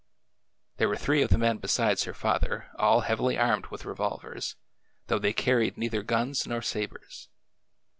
There were three of the men besides her father, all heavily armed with revolvers, though they carried neither guns nor sabers.